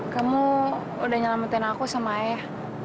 kamu udah nyelamatin aku sama ayah